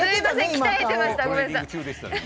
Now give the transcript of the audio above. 鍛えていました。